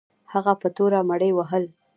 هغه په توره مړي وهل.